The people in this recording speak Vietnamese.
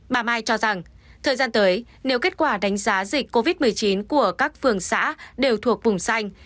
bà mai cho rằng thời gian tới nếu kết quả đánh giá dịch covid một mươi chín của các phường xã đều thuộc vùng xanh